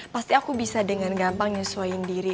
pasti aku bisa dengan gampang nyesuaikan diri